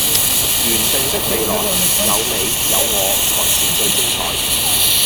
原定的未來有你有我才是最精彩